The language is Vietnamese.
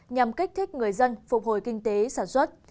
nhằm kích thích người dân phục hồi kinh tế sản xuất